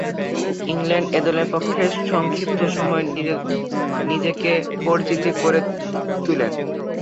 England এ দলের পক্ষে সংক্ষিপ্ত সময়ে নিজেকে পরিচিত করে তুলেন।